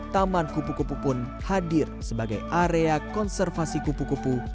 taman kupu kupu pun hadir sebagai area konservasi kupu kupu